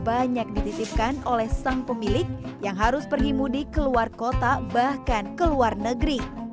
banyak dititipkan oleh sang pemilik yang harus pergi mudik keluar kota bahkan ke luar negeri